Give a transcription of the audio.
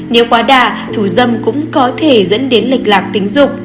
nếu quá đà thủ dâm cũng có thể dẫn đến lịch lạc tính dục